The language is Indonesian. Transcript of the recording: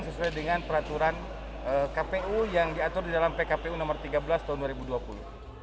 sesuai dengan peraturan kpu yang diatur di dalam pkpu nomor tiga belas tahun dua ribu dua puluh